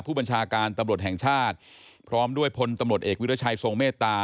ผู้บัญชาการตำรวจแห่งชาติพร้อมด้วยพลตำรวจเอกวิรัชัยทรงเมตตา